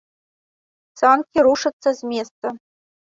Санкі рушацца з месца.